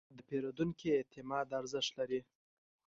د پیرودونکي اعتماد ارزښت لري.